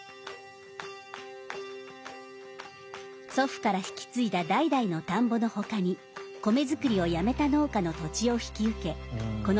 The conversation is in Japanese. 祖父から引き継いだ代々の田んぼのほかに米作りをやめた農家の土地を引き受けこの棚田の風景を守っています。